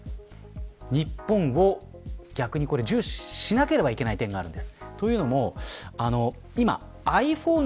日本を逆に、重視しなければいけない点があるんです。